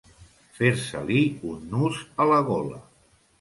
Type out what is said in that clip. Fer-se-li un nus a la gola.